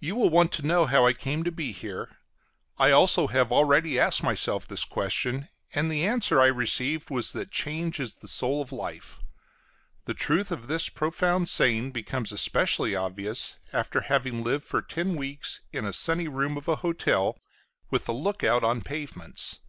You will want to know how I come to be here. I also have already asked myself this question, and the answer I received was that change is the soul of life. The truth of this profound saying becomes especially obvious after having lived for ten weeks in a sunny room of a hotel, with the look out on pavements.